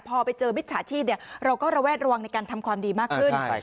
พอไปเจอมิจฉาชีพเราก็ระแวดระวังในการทำความดีมากขึ้น